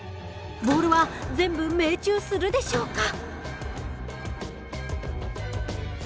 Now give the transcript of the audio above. ボールは全部命中するでしょうか？